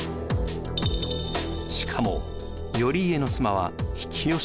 しかも頼家の妻は比企能員の娘。